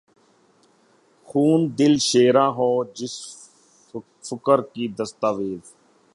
خون دل شیراں ہو، جس فقر کی دستاویز